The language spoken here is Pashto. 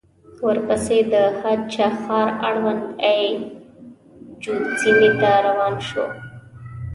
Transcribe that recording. ورپسې د هه چه ښار اړوند اي جو سيمې ته روان شوو.